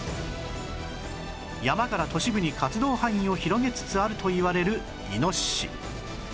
山から都市部に活動範囲を広げつつあるといわれるイノシシ